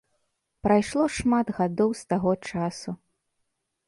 Прайшло шмат гадоў з таго часу.